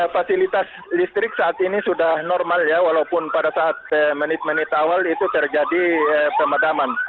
fasilitas listrik saat ini sudah normal ya walaupun pada saat menit menit awal itu terjadi pemadaman